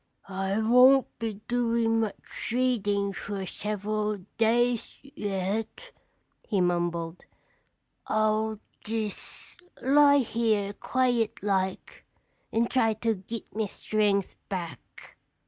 "I won't be doin' much readin' fer several days yet," he mumbled. "I'll jes' lie here quiet like and try to git me strength back."